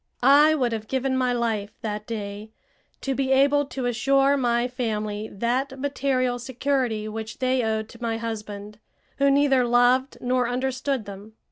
I would have given my life, that day, to be able to assure my family that material security which they owed to my husband, who neither loved nor understood them.